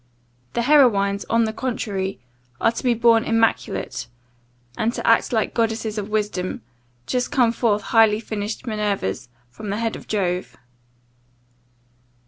The heroines, on the contrary, are to be born immaculate, and to act like goddesses of wisdom, just come forth highly finished Minervas from the head of Jove.